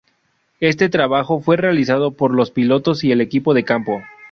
Este trabajo fue realizado por los pilotos y el equipo de campo.